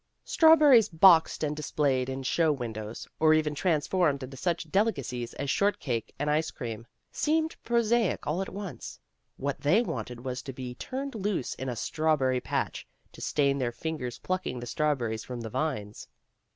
Strawberries boxed and displayed in show windows, or even transformed into such delica cies as short cake and ice cream, seemed pro saic all at once. What they wanted was to be turned loose in a strawberry patch, to stain their fingers plucking the strawberries from the vines.